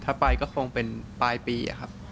ถ้าไปก็คงเป็นปลายปีครับ